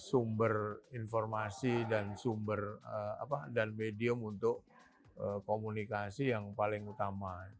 sumber informasi dan medium untuk komunikasi yang paling utama